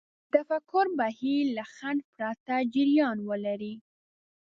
د تفکر بهير له خنډ پرته جريان ولري.